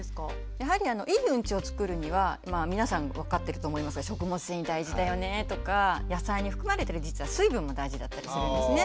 やはりいいウンチをつくるには皆さん分かってると思いますが食物繊維大事だよねとか野菜に含まれてる実は水分も大事だったりするんですね。